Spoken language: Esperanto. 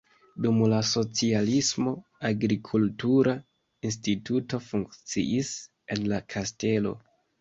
Dum la socialismo agrikultura instituto funkciis en la kastelo.